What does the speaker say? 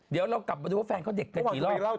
เดี๋ยวเรากลับมาดูว่าแฟนเขาเด็กเธอกี่รอบ